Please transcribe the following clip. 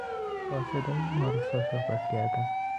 با صدایی نارسا صحبت کردن